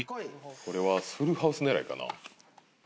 これはフルハウス狙いかな？